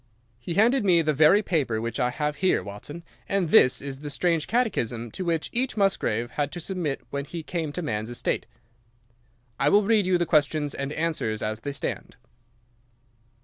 "He handed me the very paper which I have here, Watson, and this is the strange catechism to which each Musgrave had to submit when he came to man's estate. I will read you the questions and answers as they stand.